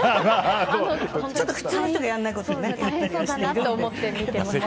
ちょっと普通の人がやらないことをやっていこうかと。